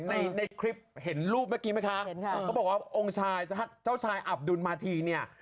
ในในคลิปเห็นรูปเมื่อกี้ไหมคะเจ้าชายอับดุลมาธีเนี้ย